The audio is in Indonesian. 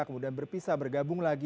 kemudian berpisah bergabung lagi